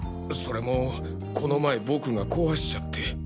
それもこの前僕が壊しちゃって。